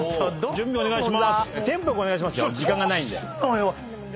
準備お願いします。